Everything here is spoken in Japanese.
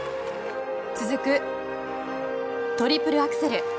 続くトリプルアクセル。